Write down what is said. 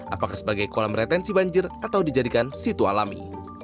apakah sebagai kolam retensi banjir atau dijadikan situ alami